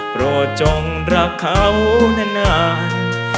โปรดจงรักเขานาน